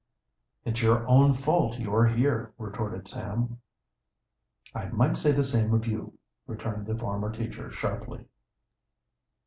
"It's your own fault you are here," retorted Sam. "I might say the same of you," returned the former teacher sharply.